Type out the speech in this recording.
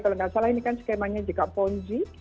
kalau tidak salah ini kan skemanya juga ponzi